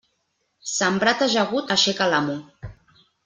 Sembrat ajagut aixeca l'amo.